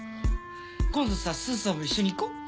今度さスーさんも一緒に行こ。